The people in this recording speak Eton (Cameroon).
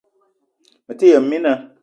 Mete yëm mina